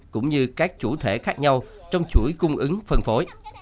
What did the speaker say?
cũng như các chủ thể khác nhau trong chuỗi cung ứng phân phối